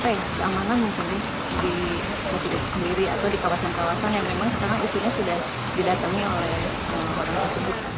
masyarakat pasti resah dan itu harus ada semacam keamanan mungkin di masjid sendiri atau di kawasan kawasan yang memang sekarang isinya sudah didatangi oleh orang orang sebut